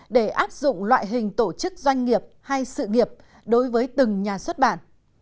để áp dụng loại hình tổ chức doanh nghiệp hay sự nghiệp đối với từng nhà xuất bản